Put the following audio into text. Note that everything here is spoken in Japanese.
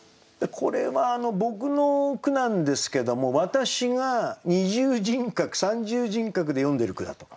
これは僕の句なんですけども私が二重人格三重人格で詠んでる句だと。